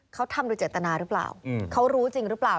เขาทำโดยเจตนาหรือเปล่าเขารู้จริงหรือเปล่า